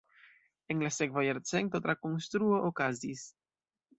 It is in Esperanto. En la sekva jarcento trakonstruo okazis.